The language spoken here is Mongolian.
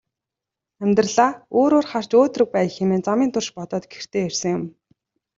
Амьдралаа өөрөөр харж өөдрөг байя хэмээн замын турш бодоод гэртээ ирсэн юм.